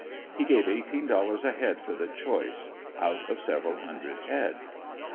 He gave eighteen dollars a head for the choice, out of several hundred head.